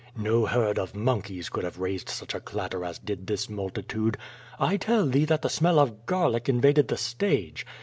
No herd of monkeys could have raised such a clatter as did this multitude. I tell thee that the smell of garlic invaded the stage.